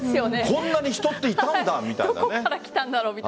こんなに人っていたんだ、みたいなね。